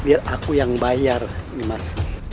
biar aku yang bayar ini mas